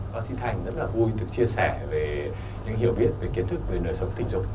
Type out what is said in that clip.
bác sĩ thành rất là vui được chia sẻ về những hiểu biết kiến thức về nơi sống tình dục